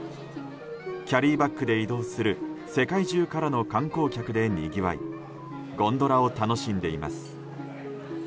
キャリーバッグで移動する世界中からの観光客でにぎわいゴンドラを楽しんでいます。